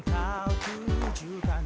katanya jam satu